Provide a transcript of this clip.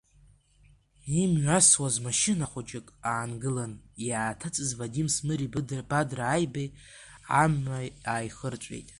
Имҩасуаз машьына хәыҷык аангылан, иааҭыҵыз Вадим Смыри Бадра Аибеи амҩа ааихырҵәеит.